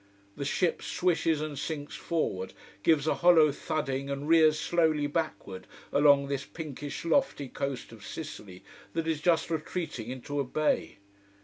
The ship swishes and sinks forward, gives a hollow thudding and rears slowly backward, along this pinkish lofty coast of Sicily that is just retreating into a bay.